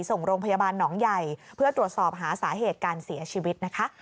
ส่งโรงพยาบาลหนองใหญ่เพื่อตรวจสอบหาสาเหตุการเสียชีวิตนะคะ